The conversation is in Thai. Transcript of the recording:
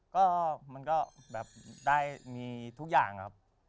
ก็มันก็แบบได้มีทุกอย่างครับ